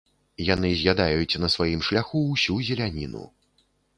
Яны з'ядаюць на сваім шляху ўсю зеляніну.